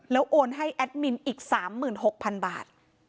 โอนให้แอดมินอีก๓๖๐๐๐บาท